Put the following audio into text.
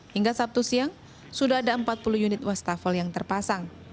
hingga sabtu siang sudah ada empat puluh unit wastafel yang terpasang